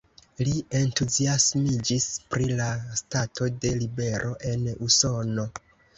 Li entuziasmiĝis pri la stato de libero en Usono.